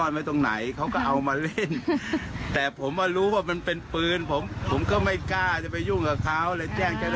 แก๊งต่างจะได้การวาดให้ดูแล